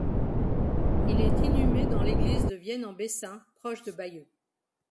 Il est inhumé dans l'église de Vienne-en-Bessin proche de Bayeux.